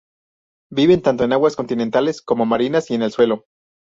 Viven tanto en aguas continentales como marinas y en el suelo.